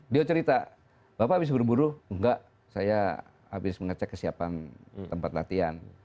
dia cerita bapak habis berburu enggak saya habis mengecek kesiapan tempat latihan